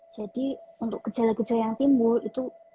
jadi untuk gejala gejala yang timbul itu